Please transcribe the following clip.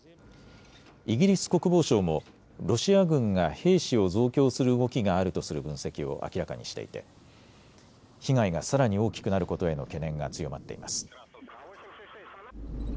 イギリス国防省もロシア軍が兵士を増強する動きがあるとする分析を明らかにしていて被害がさらに大きくなることへの懸念が強まっています。